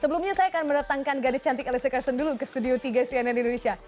sebelumnya saya akan mendatangkan gadis cantik alisa karson dulu ke studio tiga cnn indonesia